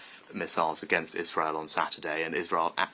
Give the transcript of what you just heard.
dan kami bekerja untuk mengakui detailnya bersama dengan rakyat